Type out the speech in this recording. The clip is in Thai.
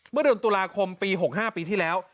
เมื่อเดือนตุลาคมปี๖๕ปีที่แล้ว